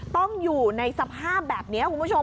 ต้องอยู่ในสภาพแบบนี้คุณผู้ชม